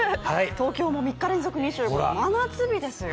東京も３日連続２５度、夏日ですよ。